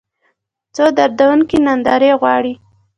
څو دردونکې نندارې غواړي